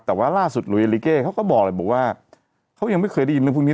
แต่ว่าล่าสุดหลุยลิเกเขาก็บอกเลยบอกว่าเขายังไม่เคยได้ยินเรื่องพวกนี้